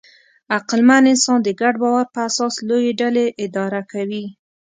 عقلمن انسان د ګډ باور په اساس لویې ډلې اداره کوي.